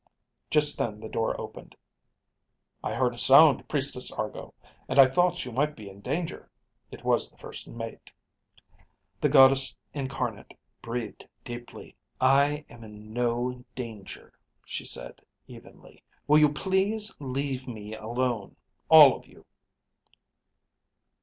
Just then the door opened. "I heard a sound, Priestess Argo, and I thought you might be in danger." It was the first mate. The Goddess Incarnate breathed deeply. "I am in no danger," she said evenly. "Will you please leave me alone, all of you."